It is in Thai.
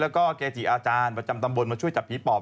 แล้วก็เกจิอาจารย์ประจำตำบลมาช่วยจับผีปอบ